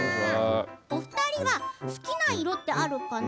お二人は好きな色ってあるかな？